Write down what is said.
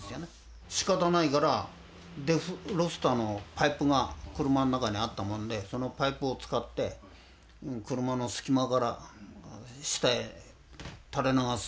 しかたないからデフロスターのパイプが車の中にあったもんでそのパイプを使って車の隙間から下へ垂れ流す形でね。